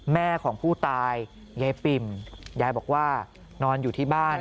แม่ของผู้ตายยายปิ่มยายบอกว่านอนอยู่ที่บ้าน